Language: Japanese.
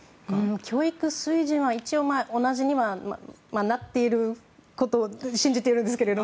教育水準は一応同じにはなっていることを信じてるんですけど。